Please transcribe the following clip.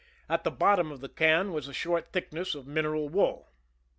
At the bottom of the can was a short thickness of mineral wool.